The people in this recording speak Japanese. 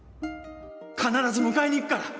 必ず迎えに行くから！